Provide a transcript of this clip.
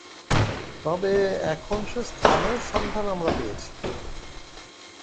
তবে এখন সে স্থানের সন্ধান আমরা পেয়েছি।